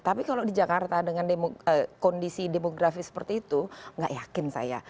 tapi kalau di jakarta dengan kondisi demografi seperti itu nggak yakin saya